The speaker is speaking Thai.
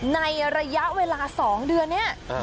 ในระยะเวลา๒เดือนนี้